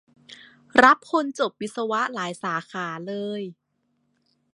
รับคนจบวิศวะหลายสาขาเลย